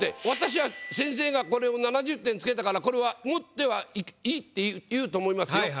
私は先生がこれを７０点付けたからこれは「持って」はいいって言うと思いますよ。